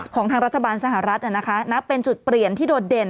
ของทางรัฐบาลสหรัฐนับเป็นจุดเปลี่ยนที่โดดเด่น